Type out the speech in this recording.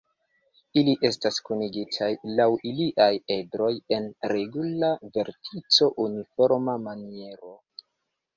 Ili estas kunigitaj laŭ iliaj edroj en regula vertico-uniforma maniero.